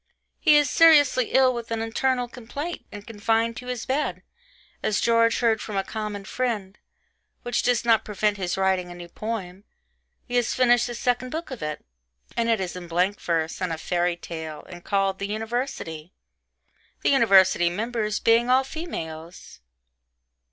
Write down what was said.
He is seriously ill with an internal complaint and confined to his bed, as George heard from a common friend. Which does not prevent his writing a new poem he has finished the second book of it and it is in blank verse and a fairy tale, and called the 'University,' the university members being all females.